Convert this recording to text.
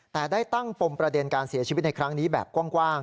แต่ได้ตั้งปมประเด็นการเสียชีวิตในครั้งนี้แบบกว้าง